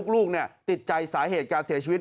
ลูกติดใจสาเหตุการเสียชีวิต